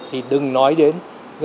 thì đừng nói đến